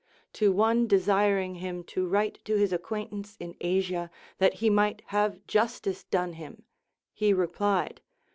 To one desiring him to write to his acquaintance in Asia, that he might have justice done him, he replied.